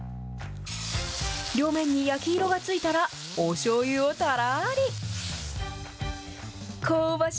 両面に焼き色がついたらおしょうゆをたらーり。